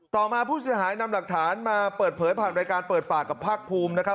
ต่อมาผู้เสียหายนำหลักฐานมาเปิดเผยผ่านรายการเปิดปากกับภาคภูมินะครับ